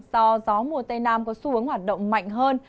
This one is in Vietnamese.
do gió mùa tây nam có xu hướng hoạt động mạnh hơn